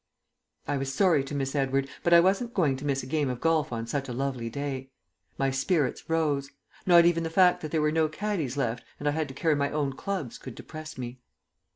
I was sorry to miss Edward, but I wasn't going to miss a game of golf on such a lovely day. My spirits rose. Not even the fact that there were no caddies left and I had to carry my own clubs could depress me.